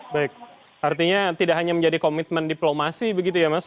baik artinya tidak hanya menjadi komitmen diplomasi begitu ya mas